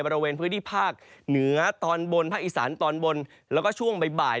บริเวณพื้นที่ภาคเหนือตอนบนภาคอีสานตอนบนแล้วก็ช่วงบ่าย